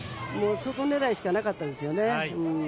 そこ狙いしかなかったんですよね。